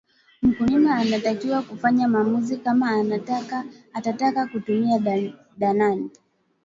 Mkulima anatakiwa kufanya maamuzi kama atataka kutumia dalali